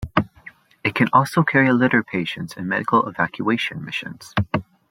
It can also carry litter patients in medical evacuation missions.